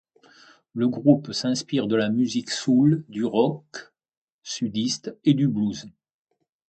Le groupe s'inspire de la musique soul, du rock sudiste et du blues.